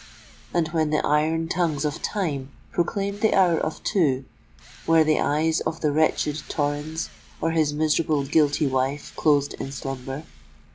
And when the iron tongues of Time proclaimed the hour of two, were the eyes of the wretched Torrens or his miserable, guilty wife closed in slumber?